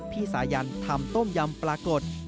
สายันทำต้มยำปลากด